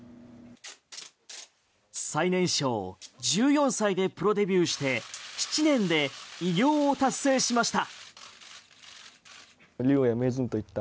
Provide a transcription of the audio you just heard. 最年少１４歳でプロデビューして７年で偉業を達成しました。